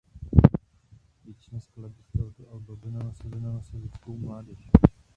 Většina skladeb z tohoto alba byla zaměřena na sovětskou mládež.